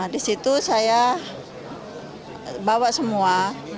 di situ saya bawa semua